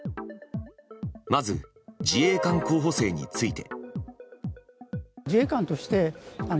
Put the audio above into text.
まず、自衛官候補生について。